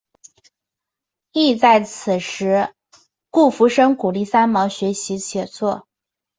亦在此时顾福生鼓励三毛学习写作。